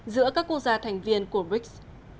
giữa các quốc gia thành viên của brics